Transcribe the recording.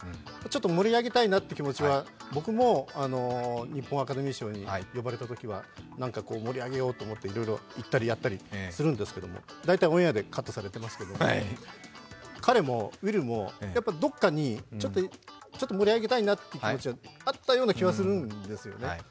ちょっと盛り上げたいなという気持ちは、僕も日本アカデミー賞に呼ばれたときはなんか盛り上げようと思っていろいろ言ったりやったりするんですけども大体オンエアでカットされていますけれども、彼も、ウィルもどこかにちょっと盛り上げたいなという気持ちはあったような気がするんですよね。